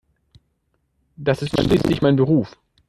Das ist schließlich mein Beruf.